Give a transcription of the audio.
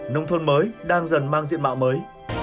nông thôn mới đang dần mang diện mạo mới